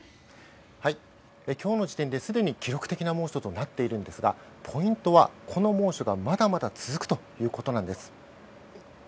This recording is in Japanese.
今日の時点ですでに記録的な猛暑となっているんですがポイントはこの猛暑がまだまだ続くということなんです。